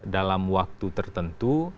dalam waktu tertentu